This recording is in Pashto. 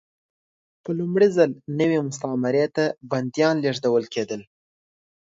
په لومړي ځل نوې مستعمرې ته بندیان لېږدول کېدل.